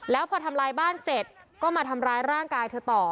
แล้วพอทำลายบ้านเสร็จก็มาทำร้ายร่างกายเธอต่อ